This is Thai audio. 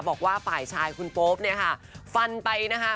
บอกว่าฝ่ายชายคุณโป๊ปเนี่ยค่ะฟันไปนะคะ